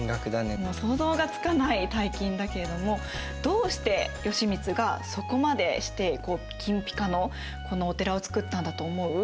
もう想像がつかない大金だけれどもどうして義満がそこまでして金ピカのこのお寺を造ったんだと思う？